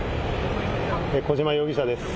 小島容疑者です。